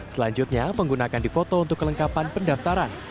selanjutnya pengguna akan difoto untuk kelengkapan pendaftaran